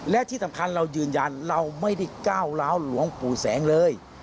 และที่สำคัญเรายืนยันเราไม่ได้ก้าวร้าวหลวงปู่แสงเลย